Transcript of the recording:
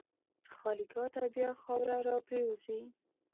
خالیګاه ته بیا خاوره راپرېوځي.